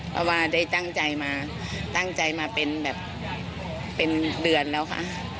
เพราะว่าได้ตั้งใจมาตั้งใจมาเป็นแบบเป็นเดือนแล้วค่ะ